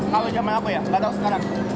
kalau zaman apa ya nggak tahu sekarang